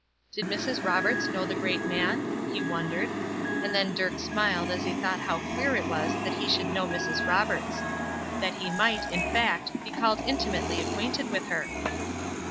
Did Mrs. Roberts know the great man? he wondered. And then Dirk smiled as he thought how queer it was that he should know Mrs. Roberts; that he might, in fact, be called intimately acquainted with her!